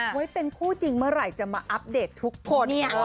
ไว้เป็นคู่จริงเมื่อไหร่จะมาอัปเดตทุกคน